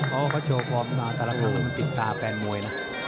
เขาเขาโชว์ความติดต่าแฟนมวยนะ